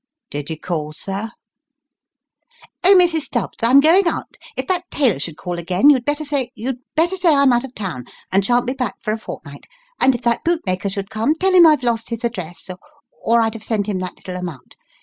" Did you call, sir ?"" Oh ! Mrs. Stubbs, I'm going out. If that tailor should call again, you'd better say you'd better say I'm out of town, and shan't be back for a fortnight ; and if that bootmaker should come, tell him I've lost his address, or I'd have sent him that little amount.